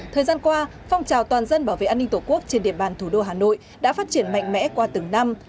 thời gian qua phong trào toàn dân bảo vệ an ninh tổ quốc trên địa bàn thủ đô hà nội đã phát triển mạnh mẽ qua từng năm